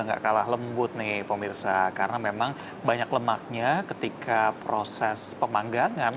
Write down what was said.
nggak kalah lembut nih pemirsa karena memang banyak lemaknya ketika proses pemanggangan